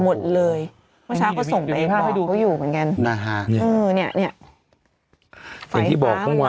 หมดเลยเมื่อเช้าเขาส่งไปบอกเขาอยู่เหมือนกัน